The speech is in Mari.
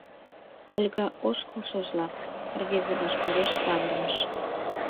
Ольга ошкылшыжлак рвезе ваштареш савырныш.